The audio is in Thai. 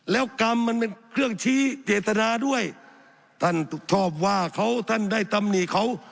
แล้วกรรมมันเป็นเครื่องชี้เจตนาด้วยท่านชอบว่าเขาท่านได้ตำหนิเขา